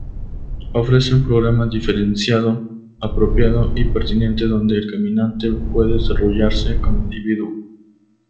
Ofrece un programa diferenciado, apropiado y pertinente, donde el caminante puede desarrollarse como individuo.